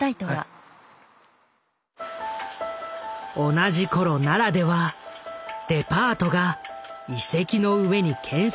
同じ頃奈良ではデパートが遺跡の上に建設されていた。